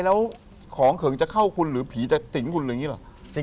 แล้วของเขิงจะเข้าคุณหรือผีจะติ๋งคุณอย่างนี้เหรอ